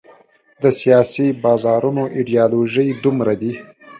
د سیاسي بازارونو ایډیالوژۍ دومره دي.